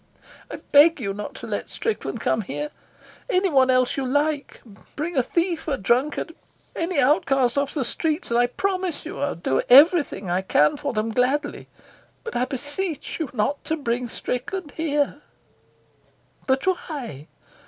"I beg you not to let Strickland come here. Anyone else you like. Bring a thief, a drunkard, any outcast off the streets, and I promise you I'll do everything I can for them gladly. But I beseech you not to bring Strickland here." "But why?"